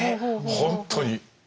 本当に。